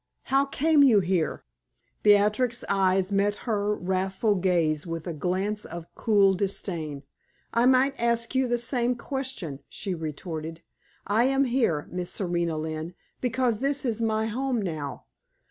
How came you here?" Beatrix's eyes met her wrathful gaze with a glance of cool disdain. "I might ask you the same question!" she retorted. "I am here, Miss Serena Lynne, because this is my home now.